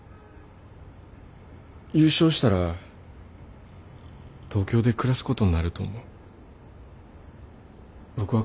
優勝したら東京で暮らすことになると思う。